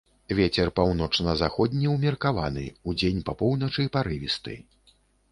Вецер паўночна-заходні ўмеркаваны, удзень па поўначы парывісты.